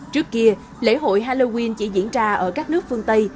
trước kia lễ hội halloween chỉ diễn ra ở các nước phương tây